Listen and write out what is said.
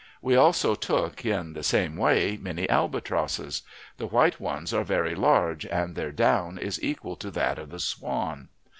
We also took in the same way many albatrosses. The white ones are very large, and their down is equal to that of the swan.